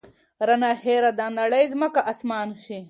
رانه هېره دا نړۍ ځمکه اسمان شي